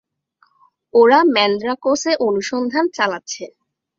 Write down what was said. ওরা ম্যান্দ্রাকোসে অনুসন্ধান চালাচ্ছে।